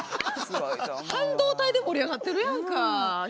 半導体で盛り上がってるやんか。